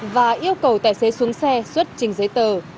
và yêu cầu tài xế xuống xe xuất trình giấy tờ